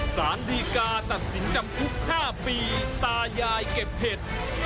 สารดีกาตัดสินจำคุก๕ปีตายายเก็บเห็ด